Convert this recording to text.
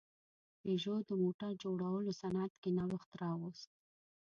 پيژو د موټر جوړولو صنعت کې نوښت راوست.